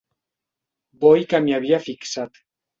Bo i que m'hi havia fixat.